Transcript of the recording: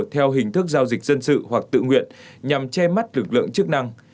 theo hình thức giao dịch dân sự hoặc tự nguyện nhằm che mắt lực lượng chức năng